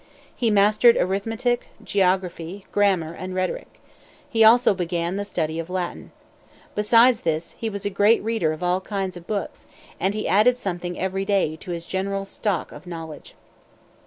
He mastered arithmetic, geography, grammar, and rhetoric. He also began the study of Latin. Besides this, he was a great reader of all kinds of books, and he added something every day to his general stock of knowledge.